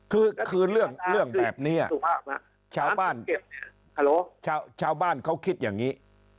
คือเรื่องแบบนี้ชาวบ้านชาวบ้านเขาคิดอย่างนี้